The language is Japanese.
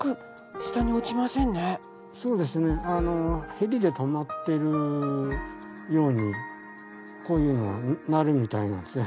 へりで止まっているようにこういうのはなるみたいなんですね。